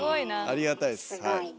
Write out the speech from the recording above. ありがたいですはい。